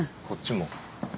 こっちも。